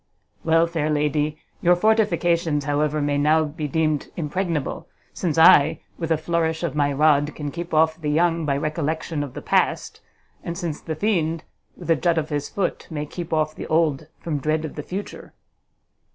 _ Well, fair lady, your fortifications, however, may now be deemed impregnable, since I, with a flourish of my rod, can keep off the young by recollection of the past, and since the fiend, with a jut of his foot, may keep off the old from dread of the future!"